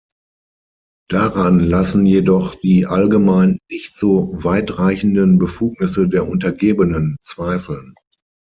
Daran lassen jedoch die allgemein nicht so weitreichenden Befugnisse der Untergebenen zweifeln.